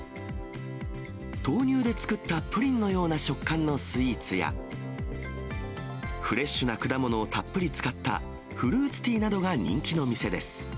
豆乳で作ったプリンのような食感のスイーツや、フレッシュな果物をたっぷり使ったフルーツティーなどが人気の店です。